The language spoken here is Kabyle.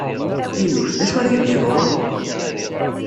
I nekk, d acu ara iyi-yeḍrun?